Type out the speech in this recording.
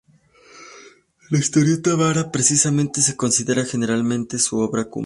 La historieta "Mara" precisamente se considera generalmente su obra cumbre.